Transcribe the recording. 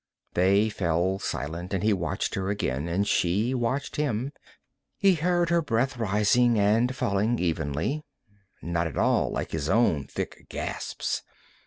They fell silent and he watched her again, and she watched him. He heard her breath rising and falling evenly, not at all like his own thick gasps.